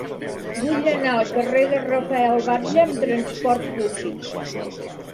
Vull anar al carrer de Rafael Batlle amb trasport públic.